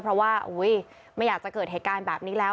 เพราะว่าไม่อยากจะเกิดเหตุการณ์แบบนี้แล้ว